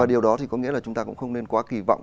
điều đó thì có nghĩa là chúng ta cũng không nên quá kỳ vọng